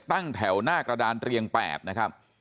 ตั้งแถวหน้ากระดานเรียง๘นะครับ